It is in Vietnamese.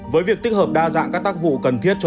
với việc tích hợp đa dạng các tác vụ của các tổ chức cá nhân